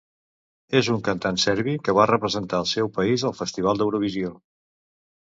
És un cantant serbi que va representar el seu país al festival d'Eurovisió.